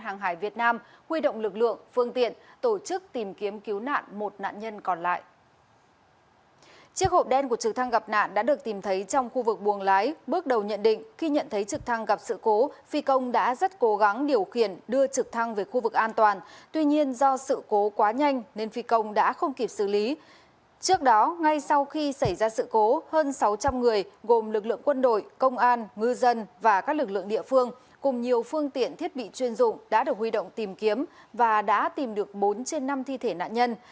nhiều phương tiện thiết bị chuyên dụng đã được huy động tìm kiếm và đã tìm được bốn trên năm thi thể nạn nhân